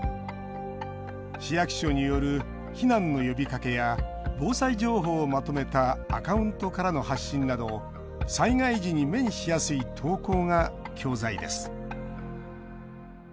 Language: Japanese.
市役所による避難の呼びかけや防災情報をまとめたアカウントからの発信など災害時に目にしやすい投稿が教材です。